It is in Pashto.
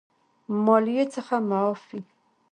مالیې څخه معاف وي.